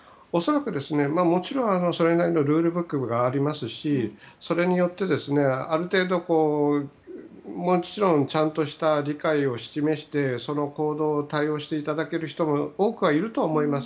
それなりのルールブックがありますしそれによってある程度もちろんちゃんとした理解を示してその行動に対応していただける人も多くいると思います。